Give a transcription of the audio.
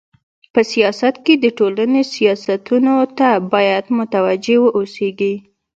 په سیاست کي د ټولني حساسيتونو ته بايد متوجي و اوسيږي.